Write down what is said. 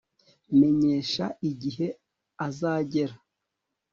Menyesha igihe azagera